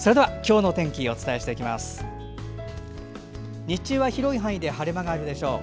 日中は、広い範囲で晴れ間があるでしょう。